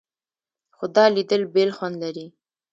خو دا لیدل بېل خوند لري.